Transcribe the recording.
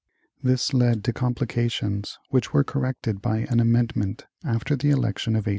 This led to complications which were corrected by an amendment after the election of 1800.